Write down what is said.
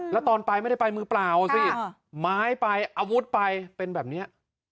แล้วตอนไปไม่ได้ไปมือเปล่าสิไม้ไปอาวุธไปเป็นแบบนี้